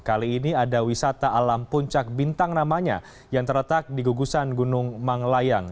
kali ini ada wisata alam puncak bintang namanya yang terletak di gugusan gunung manglayang